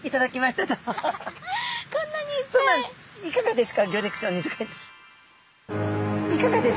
いかがですか？